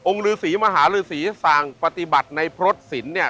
ฤษีมหาฤษีสั่งปฏิบัติในพรสศิลป์เนี่ย